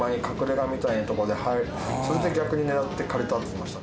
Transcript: それで逆に狙って借りたって言ってました。